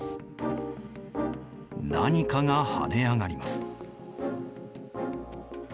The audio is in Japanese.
何かが跳ね上がります。